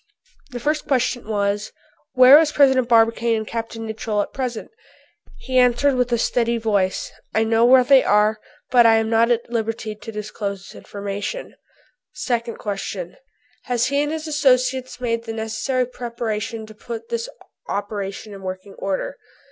The first question was, "Where is President Barbicane and Capt. Nicholl at present?" He answered with a steady voice, "I know where they are, but I am not at liberty to disclose this information." Second question: "Have he and his associates made the necessary preparations to put this operation in working order?"